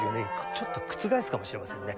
ちょっと覆すかもしれませんね。